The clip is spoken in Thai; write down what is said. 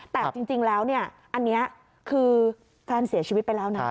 แต่จริงแล้วเนี่ยอันนี้คือแฟนเสียชีวิตไปแล้วนะ